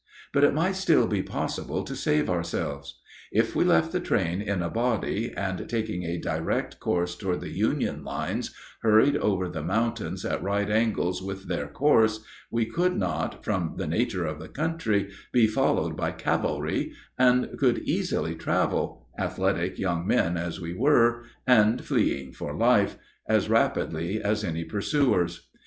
But it might still be possible to save ourselves. If we left the train in a body, and, taking a direct course toward the Union lines, hurried over the mountains at right angles with their course, we could not, from the nature of the country, be followed by cavalry, and could easily travel athletic young men as we were, and fleeing for life as rapidly as any pursuers.